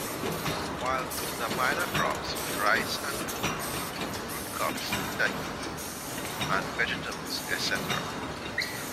While the minor products, rice and corn, root crops, Tahiti and vegetables, etc.